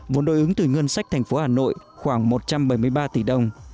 vốn đối ứng từ ngân sách thành phố hà nội khoảng một trăm bảy mươi ba tỷ đồng